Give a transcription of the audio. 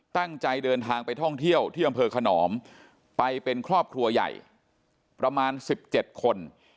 ตั้งใจเดินทางไปท่องเที่ยวที่อำเภอขนอมไปเป็นครอบครัวใหญ่ประมาณ๑๗คน